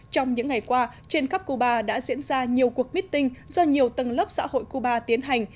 trong những ngày qua trên khắp cuba đã diễn ra nhiều cuộc meeting do nhiều tầng lớp xã hội cuba tiến hành